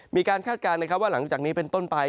คาดการณ์นะครับว่าหลังจากนี้เป็นต้นไป